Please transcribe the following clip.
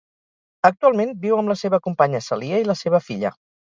Actualment, viu amb la seva companya Celia i la seva filla.